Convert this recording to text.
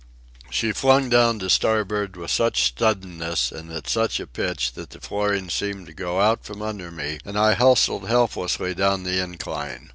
She flung down to starboard with such suddenness and at such a pitch that the flooring seemed to go out from under me and I hustled helplessly down the incline.